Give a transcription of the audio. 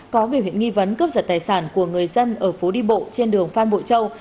có biểu hiện nghi vấn cướp giật tài sản của người dân ở phố đi bộ trên đường phan bội châu